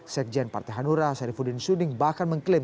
sekjian partai hanura sarifudin suning bahkan mengklaim